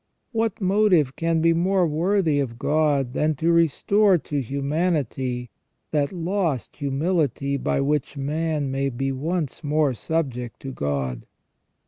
What motive can be more worthy of God than to restore to humanity that lost humility by which man may be once more subject to God?